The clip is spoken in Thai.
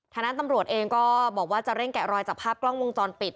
นั้นตำรวจเองก็บอกว่าจะเร่งแกะรอยจากภาพกล้องวงจรปิด